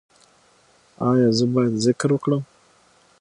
ایا زه باید ذکر وکړم؟